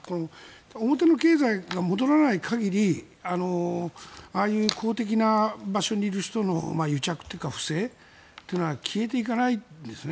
表の経済が戻らない限りああいう公的な場所にいる人の癒着とか不正は消えていかないんですね。